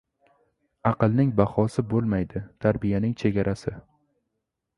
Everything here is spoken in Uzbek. • Aqlning bahosi bo‘lmaydi, tarbiyaning ― chegarasi.